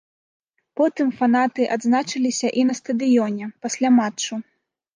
Потым фанаты адзначыліся і на стадыёне, пасля матчу.